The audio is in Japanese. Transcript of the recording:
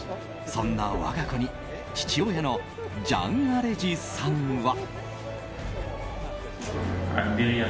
そんな我が子に父親のジャン・アレジさんは。